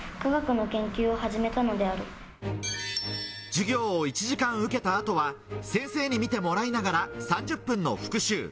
授業を１時間受けた後は先生に見てもらいながら３０分の復習。